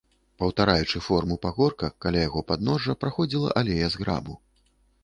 Паўтараючы форму пагорка, каля яго падножжа праходзіла алея з грабу.